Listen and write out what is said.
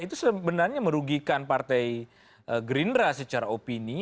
itu sebenarnya merugikan partai gerindra secara opini